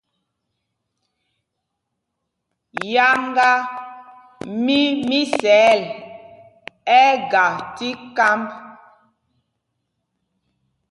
Yáŋgá mí Misɛɛl ɛ́ ɛ́ ga tí kámb.